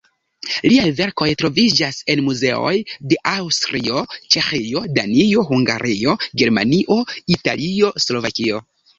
Liaj verkoj troviĝas en muzeoj de Aŭstrio, Ĉeĥio, Danio, Hungario, Germanio, Italio, Slovakio.